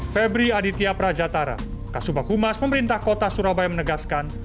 febri aditya prajatara kasubahumas pemerintah kota surabaya menegaskan